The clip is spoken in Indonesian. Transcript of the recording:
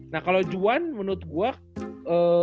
nah kalau juan menurut gue